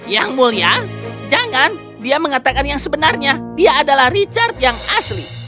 yang mulia jangan dia mengatakan yang sebenarnya dia adalah richard yang asli